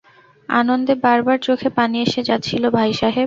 আনন্দে বারবার চোখে পানি এসে যাচ্ছিল ভাই সাহেব!